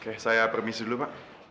oke saya permisi dulu pak